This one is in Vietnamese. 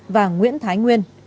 và nguyễn thái nguyên